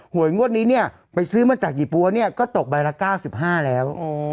หวยงดนี้ไปซื้อมาจากหญิบปัวนี่ก็ตกไปละ๙๕แล้ว